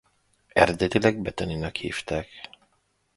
Eredetileg Beattynek hívták.